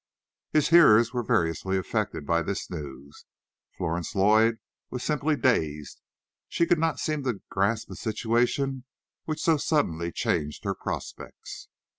His hearers were variously affected by this news. Florence Lloyd was simply dazed. She could not seem to grasp a situation which so suddenly changed her prospects.